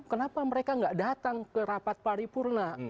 kenapa mereka nggak datang ke rapat paripurna